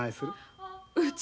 うち？